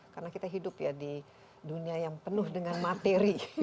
karena kita hidup ya di dunia yang penuh dengan materi